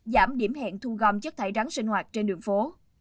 giảm điểm hẹn thu gom chất thải rắn sinh hoạt trên đường phố